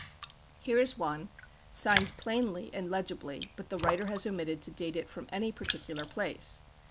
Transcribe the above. Here is one, signed plainly and legibly, but the writer has omitted to date it from any particular place.